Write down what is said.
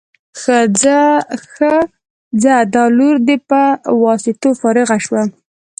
ښه ځه دا لور دې په واسطو فارغه شو.